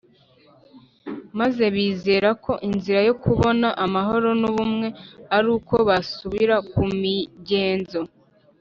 maze bizera ko inzira yo kubona amahoro n’ubumwe ari uko basubira ku migenzo